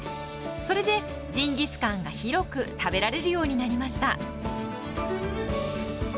それでジンギスカンが広く食べられるようになりました。